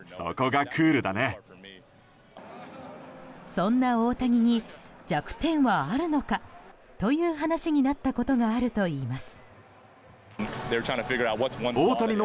そんな大谷に弱点はあるのか？という話になったことがあるといいます。